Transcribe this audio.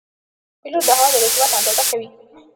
پیلوټ د هوا د رطوبت اندازه کوي.